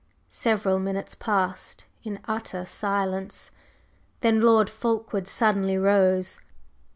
Several minutes passed in utter silence, then Lord Fulkeward suddenly rose.